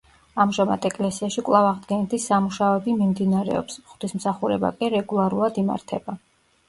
ამჟამად ეკლესიაში კვლავ აღდგენითი სამუშაოები მიმდინარეობს, ღვთისმსახურება კი რეგულარულად იმართება.